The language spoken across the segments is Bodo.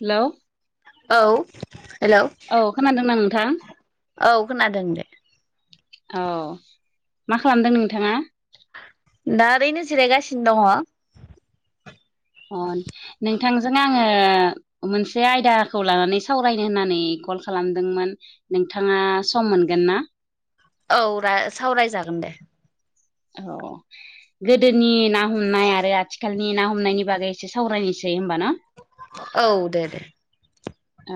हेलौ औ हेलौ औ खोनादोंना नोंथां औ खोनादों दे। अ मा खालामदों नोंथांङा? दा ओरैनो जिरायगासिनो दंङ। अ नोंथांजों आंङो मोनसे आयदाखौ लानानै सावरायनो होननानै कल खालामदोंमोन। नोंथांङा सम मोनगोन ना? औ रा-सावरायजागोन दे। औ गोदोनि ना हमनाय आरो आथिखालनि ना हमनायनि बागै एसे सावरायनोसै होमबा ना? [unintelligible] औ दे दे। औ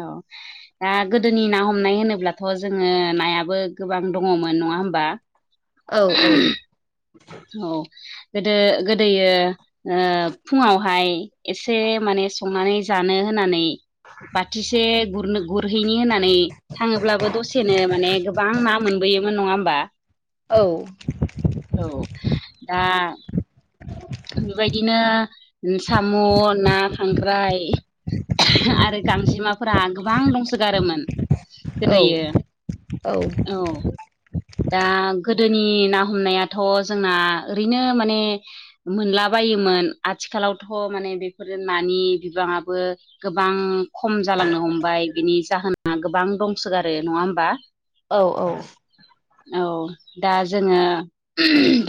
दा गोदोनि ना हमनाय होनोब्लाथ जोंङो नायाबो गोबां दंङमोन नंङा होमबा? [unintelligible] औ औ। औ गोदो गोदोयो फुंङावहाय एसे माने संनानै जानो होननानै बाथिसे गुरनो गुरहैनि होननानै थाऔङोब्लाबो दसेनो माने गोबां ना मोनबोयोमोन नंङा होमबा? औ औ दा इबायदिनो सामु, ना, खां ख्राय आरो गांजेमाफोरा गोबां दंसोगारोमोन। औ गोदोयो औ दा गोदोनि ना हमनायाथ जोंना ओरैनो माने मोनलाबायायोमोन। आथिखालावथ माने बेफोरो नानि बिबांङाबो गोबां खम जालांनो हमबाय। बिनि जाहोना गोबां दंसोगारो नंङा होमबा? औ औ। औ दा जोङो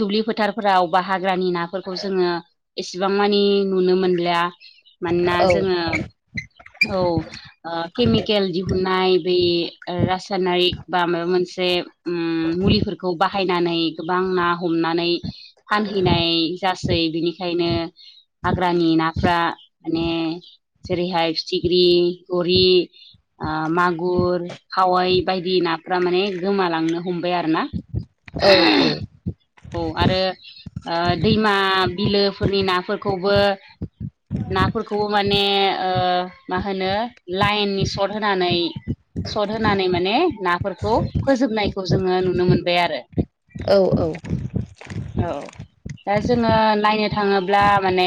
दुब्लि फोथारफोराव बा हाग्रानि नाफोर फोरखौ जोङो एसेबां मानि नुनो मोनलिया मानोना जोङो औ। केमिकेल दिहुननाय बे रासायनारिक बा माबा मोनसे मुलिफोरखौ बाहायनानै गोबां ना हमनानै फानहैनाय जासै बिनिखायनो हाग्रानि नाफ्रा माने जेरैहाय फिथिख्रि गोरि मागुर खावयै बायदि नाफोरा माने गोमालांनो हमबाय आरो ना। औ औ। औ आरो दैमा बिलोफोरनि नाफोरखौबो नाफोरखौबो माने मा होनो लाइननि सर्ट होनानै सट होनानै माने नाफोरखौ फोजोबनायखौ जोङो नुनो मोनबाय आरो। औ औ। औ। दा जोङो नायनो थाङोब्ला माने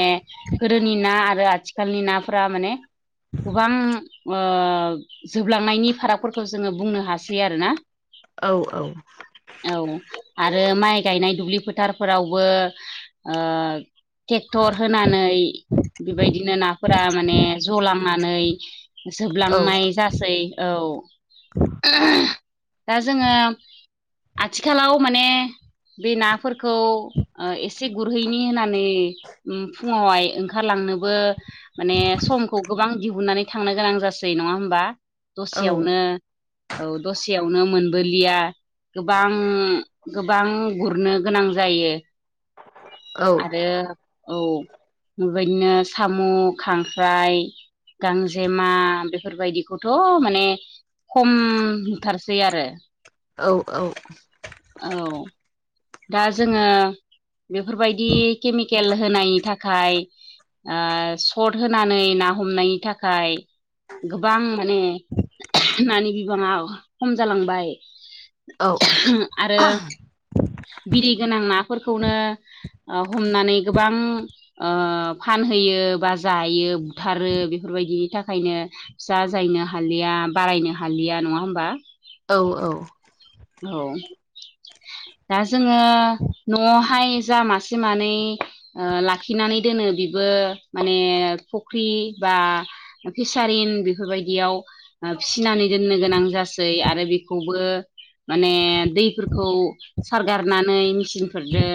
गोदोनि ना आरो आथिखालनि नाफोरा माने गोबां जोबलांनायनि फारागफोरखौ जोङो बुंनो हासै आरोना। औ औ। औ आरो माइ गायनाय दुब्लि फोथारफोरावबो ओ ट्रेक्टर होनानै बेबायदिनो नाफोरा माने ज' लांनानै औ जोबलांनाय जासै। औ दा जोङो आथिखालाव माने बे नाफोरखौ एसे गुरहैनि होननानै फुङावहाय ओंखारलांनोबो माने समखौ गोबां दिहुननानै थांनो गोनां जासै नङा होमबा? औ दसेयावनो औ दसेयावनो मोनबोलिया। गोबां गोबां गुरनो गोनां जायो। औ आरो औ बेबायदिनो साम' खांख्राइ गांजे मा बेफोरबायदिखौथ' माने खमथारसै आरो। औ औ। औ। दा जोङो बेफोरबायदि केमिकेल होनायनि थाखाय सर्ट होनानै ना हमनायनि थाखाय गोबां माने नानि बिबाङा खम जालांबाय आरो बिरि गोनां नाफोरखौनो हमनानै गोबां फानहोयो बा जायो बुथारो बेफोरबायदिनि थाखायनो फिसा जायनो हालिया बारायनो हालिया नङा होमबा औ औ। औ। दा जोङो न'आवहाय जा मासे मानै लाखिनानै दोनो बेबो माने फुख्रि बा फिसारिन बेफोरबायदियाव फिसिनानै दोननो गोनां जासै आरो बेखौबो माने दैफोरखौ सारगारनानै मेचिनफोरजों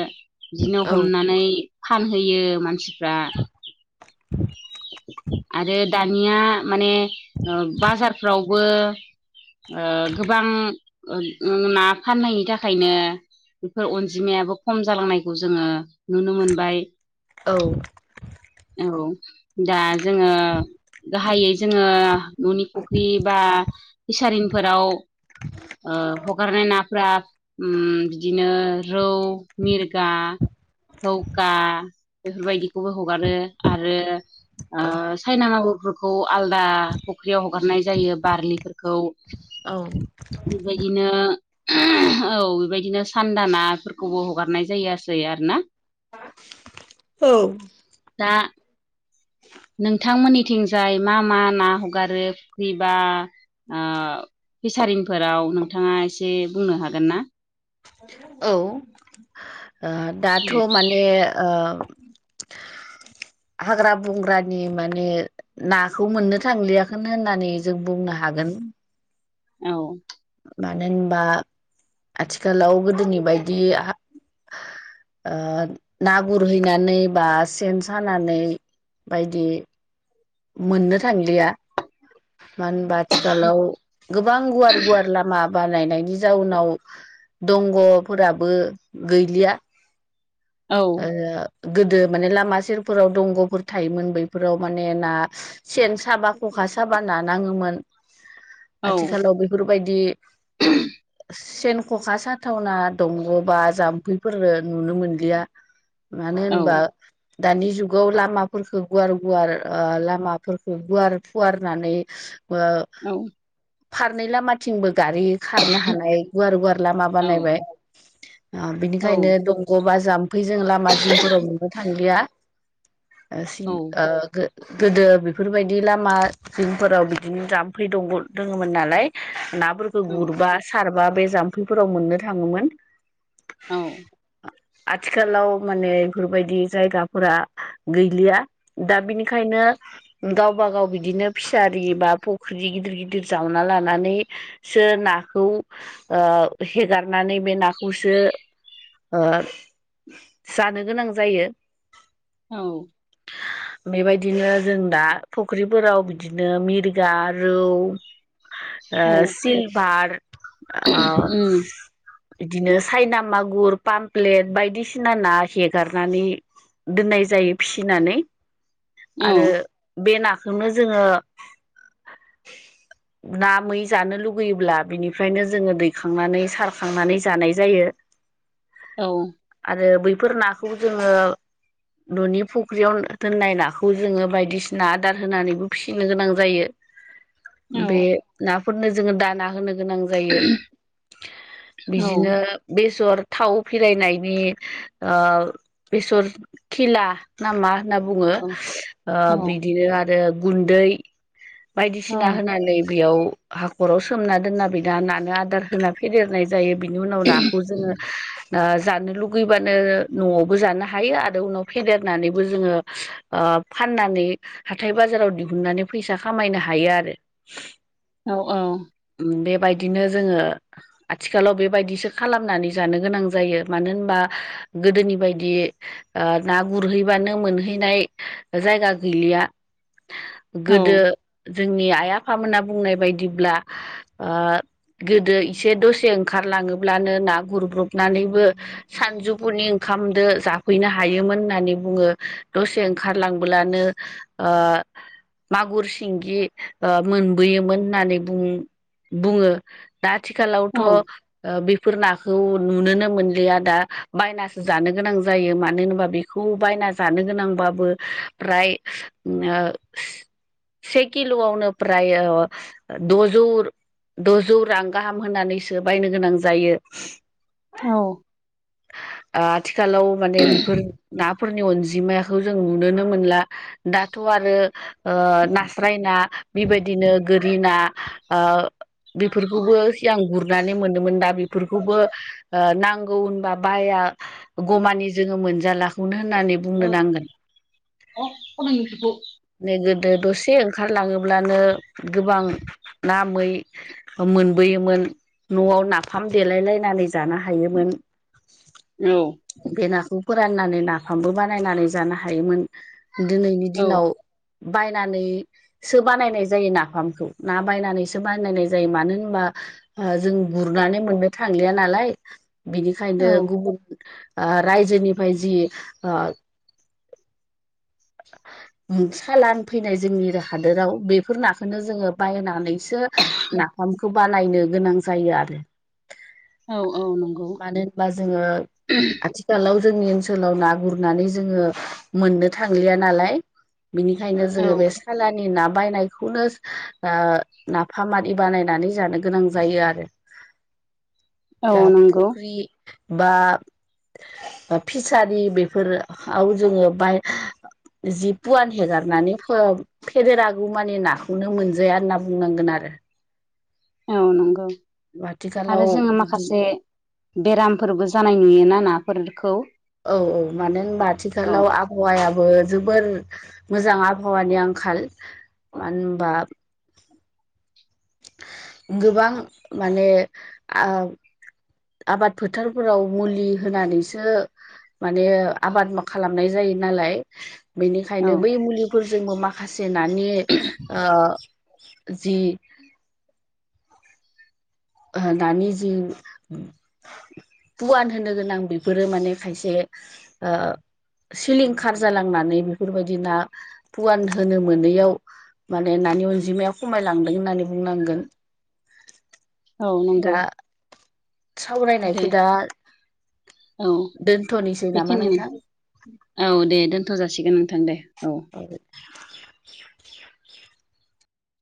बिदिनो हमनानै फानहोयो मानसिफ्रा आरो दानिया माने बाजारफ्रावबो गोबां ना फाननायनि थाखायनो बेफोर अनजिमायाबो खम जालांनायखौ जोङो नुनो मोनबाय औ औ दा जोङो गाहायै जोङो न'नि फुख्रि बा फिसारिनफोराव ओ हगारनाय नाफ्रा बिदिनो रौ मिरगा हौखा बेफोरबायदिखौबो हगारो आरो सायना मांगुरफोरखौ आलदा फुख्रियाव हगारनाय जायो बारलिफोरखौ बेबायदिनो औ बेबायदिनो सान्दा नाफोरखौबो हगारनाय जायासै आर ना औ दा नोंथांमोननिथिंजाय मा मा ना हगारो फुर्खिबा फिसारिनफोराव नोंथाङा एसे बुंनो हागोन ना औ दाथ' माने [inaudible] हाग्रा बंग्रानि माने नाखौ मोननो थांलियाखै होननानै जों बुंनो हागोन औ मानो होनबा आथिखालाव गोदोनि बायदि ना गुरहैनानै बा सेन सानानै बायदि मोननो थांलिया मा- बा आथिखालाव गोबां गुवार गुवार लामा बानायनायनि जाउनाव दंग'फोराबो गैलिया औ गोदो माने लामा सेरफोराव दंग'फोर थायोमोन बैफोराव माने बा सेन साबा खखा साबा नानाङोमोन औ आथिखालाव बेफोरबायदि [inaudible] सेन ख'खा साथावना दंग'बा जाम्फैफोर नुनो मोनलिया मानो औ होनबा दानि जुगाव लामाफोरफोरखौ गुवार गुवार ओ लामाफोरखौ गुवार फुवारनानै ओ औ फारनै लामाथिंबो गारि खारनो हानाय गुवार गुवार लामा औ बानायबाय। ओ औ बिनिखायनो दंग' बा जाम्फैजों लामा जिंफोराव मोनुनो थांलिया। ओ गोदो बेफोरबायदि लामा जिमफोराव बिदिनो जाम्फै दंग दोङोमोन नालाय नाफोरखौ गुरबा सारबा बे जाम्फैफोराव मोननो थाङोमोन। औ आथिखालाव माने बेफोरबायदि जायगाफोरा गैलिया दा बिनि खायनो गावबा गाव बिदिनो फिसारि बा फुख्रि गिदिर गिदिर जावना लानानै सो नाखौ हेगारनानै बे नाखौसो जानो गोनां जायो औ बेबायदिनो जों दा फुख्रिफोराव बिदिनो मिरगा रौ सिलभार आ उम बिदिनो सायना मागुर पामफ्लेट बायदिसिना ना हेगारनानै दोननाय जायो फिसिनानै। औ आरो बे नाखौनो जोङो [inaudible] ना मै जानो लुगैयोब्ला बिनिफ्रायनो जोङो दैखांनानै सारखांनानै जानाय जायो। औ आरो बैफोर नाखौ जोङो न'नि फुख्रियाव दोननाय ना खौ जोङो बायदिसिना आदार होनानैबो फिसिनो गोनां जायो औ बे नाफोरनो जोङो दाना होनो गोनां जायो बिजिनो बेसर थाव फिरायनायनि ओ बेसर खिला ना मा होनना बुङो? औ ओ बिदिनो आरो गुन्दै बायदिसिना होनानै बेयाव हाख'राव सोमना दोनना बिदना नानो आदार होना फेदेरनाय जायो बिनि उनाव नाखौ जोङो ओ जानो लुगैबानो न'आवबो जानो हायो आरो उनाव फेदेरनानैबो जोङो ओ फाननानै हाथाय-बाजाराव दिहुननानै फैसा खामायनो हायो आरो। औ औ उम बे बायदिनो जोङो आथिखालाव बेबायदिसो खालामनानै जानो गोनां जायो मानो होनबा गोदोनि बायदि ओ ना गुरहैबानो मोनहैनाय जायगा गैलिया। गोदो जोंनि आइ-आफामोना बुंनाय बायदिब्ला ओ गोदो इसे दसे ओंखारलाङोब्लानो ना गुरब्रबनानैबो सानजौफुनि ओंखाम दो‌ जाफैनो हायोमोन होननानै बुङो। दसे खारलांब्लानो ओ मागुर, सिंगि ओ मोनबोयोमोन होननानै बुं बुङो। दा आथिखाालावथ' औ ओ बेफोर नाखौ नुनोनो मोनलिया दा बायनासो जानो गोनां जायो। मानो होनोबा बे खौ बायना जानो गोनांबाबो फ्राय ओ से किल'आवनो फ्राय द'जौ द'जौ रां गाहाम होनानैसो बायनो गोनां जायो। औ ओ आथिखालाव माने बेफोर नाफोरनि अनजिमाखौ दं नुनो नों मोनला दाथ' आरो ओ ना स्रायना बेबायदिनो गोरि ना ओ औ बेफोरखौबो सिगां गुरनानै मोनोमोन दा बेफोरखौबो नांगौ होनबा बाया गमानि जोङो मोनजालाखौनो होननानै औ बुंनो नांगोन। [unintelligible] नोगदो दसे ओंखारलाङोब्लानो गोबां ना मै मोनबोयोमोन न'आव नाफाम देलायलायनानै जानो हायोमोन। औ बे नाखौ फोराननानै नाफामबो बानायनानै जानो हायोमोन दिनैनि दिनाव बायनानै सो बानायनाय जायो नाफामखौ ना बायनानैसो बानायनाय जायो। मानो होनबा ओ जों गुरनानै मोननो थांलिया नालाय बिनिखायनो गुबुन ओ रायजोनिफ्राय जि ओ सालान फैनाय जोंनि हादोराव बेफोर नाखौनो जोङो बायनानै सो नाफामखौ बानायनो गोनां जायो आरो। औ औ नंगौ। मानो होनबा जोङो आथिखालाव जोंनि ओनसोलाव ना गुरनानै जोङो मोननो थांलिया नालाय बिनिखायनो औ जोङो बे सालानि ना बायनायखौनो ओ नाफामारि बानायनानै जानो गोनां जायो आरो। औ [unintelligible] नंगौ फुख्रि बा फिसारि बेफोराव जोङो बाय जि पुवान हेगारनानै फो फेदेरागौ मानि नाखौनो मोनजाया होनना बुंनांगोन आरो। औ नंगौ आरो आथिखालाव जोङो बिदि माखासे बेरामफोरबो जानाय नुयोना नाफोरखौ औ औ मानो होनबा औ आथिखालाव आबा आबहावायाबो जोबोर मोजां आबहावानि आंखाल मानो होनबा गोबां माने आ आबाद फोथारफोराव मुलि होनानैसो माने आबाद खालामनाय जायो नालाय औ बेनिखायनो बै मुलिफोरजोंबो माखासे नानि ओ जि दानि जि पुवान होनो गोनां बेफोरो माने खायसे ओ सिलिंखार जालांनानै बेफोरबायदि ना पुवान होनो मोनैयाव माने नानि अनजिमाया खमायलांदों होननानै बुंनांगोन। औ नंगौ दा दे सावरायनायखौ दा औ दोनथनोसै नामा बेखिनियानो नोंथां? औ दे दोनथ जासिगोन नोंथां दे औ। आरो [inaudible]